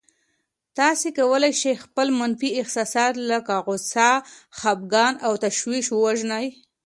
تاسې کولای شئ خپل منفي احساسات لکه غوسه، خپګان او تشويش ووژنئ.